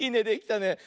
できたね。